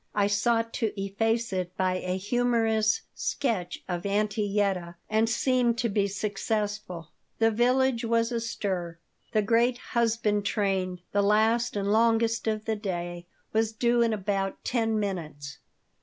I sought to efface it by a humorous sketch of Auntie Yetta, and seemed to be successful The village was astir. The great "husband train," the last and longest of the day, was due in about ten minutes.